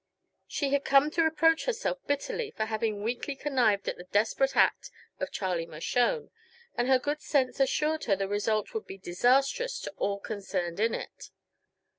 She had come to reproach herself bitterly for having weakly connived at the desperate act of Charlie Mershone, and her good sense assured her the result would be disastrous to all concerned in it.